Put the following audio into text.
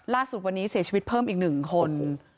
ล่าสุดวันนี้เสียชีวิตเพิ่มอีก๑คน